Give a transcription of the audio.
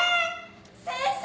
先生！